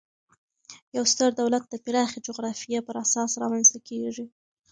یو ستر دولت د پراخي جغرافیې پر اساس رامنځ ته کیږي.